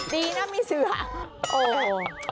ดีนะมีเสือโอ้โห